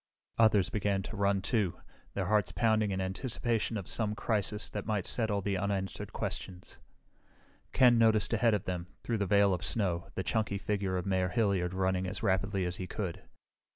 Others began running, too, their hearts pounding in anticipation of some crisis that might settle the unanswered questions. Ken noticed ahead of them, through the veil of snow, the chunky figure of Mayor Hilliard running as rapidly as he could.